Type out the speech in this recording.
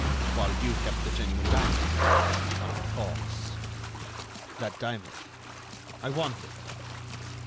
"While you kept the genuine diamond?" "Of course." "That diamond—I want it."